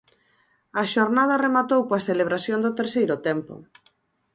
A xornada rematou coa celebración do terceiro tempo.